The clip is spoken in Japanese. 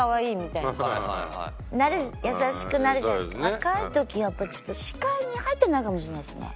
若い時はちょっと視界に入ってないかもしれないですね。